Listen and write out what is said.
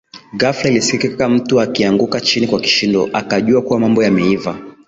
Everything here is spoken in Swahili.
Ghafla alisikia mtu akianguka chini kwa kishindo akajua kuwa mambo yameiva